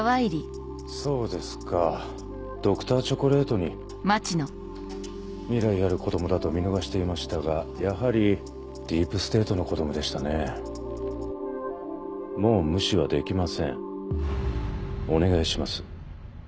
そうですかＤｒ．チョコレートに未来ある子供だと見逃していましたがやはりディープステートの子供でしたねもう無視はできませんお願いします